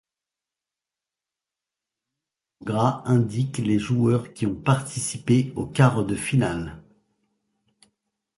Les noms en gras indiquent les joueurs qui ont participé au quart de finale.